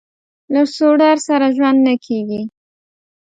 له سوډرسره ژوند نه کېږي.